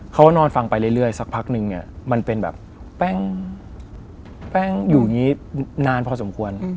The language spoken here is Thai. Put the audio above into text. เขานอนฟังไปเรื่อยสักพักนึงเนี่ยมันเป็นแบบแป้งอยู่อย่างนี้นานพอสมควร